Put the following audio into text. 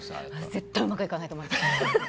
絶対うまくいかないと思います。